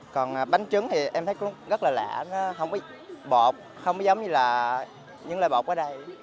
còn bánh trứng thì em thấy cũng rất là lạ nó không ít bột không giống như là những loại bột ở đây